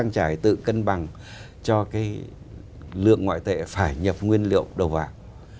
trải tự cân bằng cho cái lượng ngoại tệ phải nhập nguyên liệu đầu vào